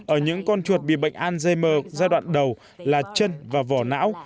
ở những con chuột bị bệnh alzheimer giai đoạn đầu là chân và vỏ não